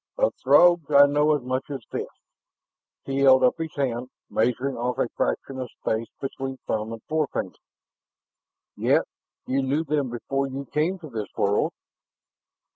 "Of Throgs I know as much as this...." He held up his hand, measuring off a fraction of space between thumb and forefinger. "Yet you knew them before you came to this world."